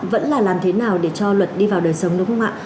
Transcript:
rõ ràng là làm thế nào để cho luật đi vào đời sống đúng không ạ